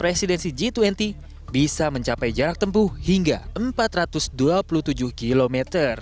ketika diberi kekuatan g dua puluh akan mencapai jarak tempuh hingga empat ratus dua puluh tujuh km